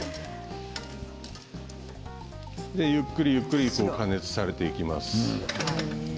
ゆっくり、ゆっくりと加熱されていきます。